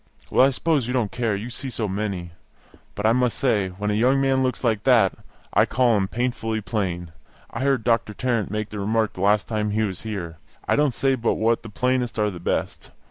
Well, I suppose you don't care, you must see so many. But I must say, when a young man looks like that, I call him painfully plain. I heard Doctor Tarrant make the remark the last time he was here. I don't say but what the plainest are the best.